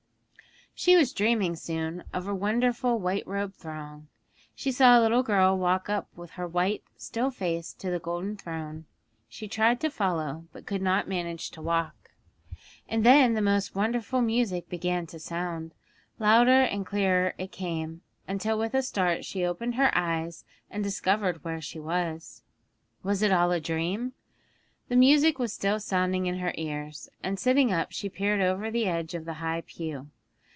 She was dreaming soon of a wonderful white robed throng; she saw the little girl walk up with her white, still face to a golden throne, she tried to follow, but could not manage to walk, and then the most wonderful music began to sound; louder and clearer it came, until with a start she opened her eyes and discovered where she was. Was it all a dream? The music was still sounding in her ears, and sitting up she peered over the edge of the high pew.